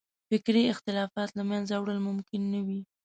فکري اختلافات له منځه وړل ممکن نه وي.